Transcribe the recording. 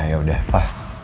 ya udah pa